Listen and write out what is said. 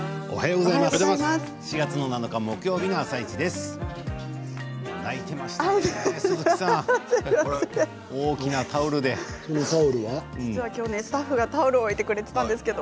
おはようございます。